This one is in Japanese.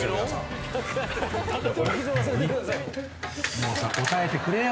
もうさ答えてくれよ。